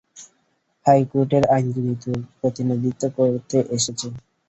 হাইকোর্টের আইনজীবী তোর প্রতিনিধিত্ব করতে এসেছে।